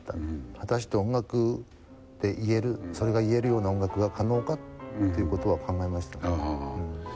果たしてそれが言えるような音楽が可能かということは考えました。